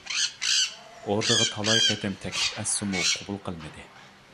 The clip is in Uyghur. ئوردىغا تالاي قېتىم تەكلىپ ئەتسىمۇ، قوبۇل قىلمىدى.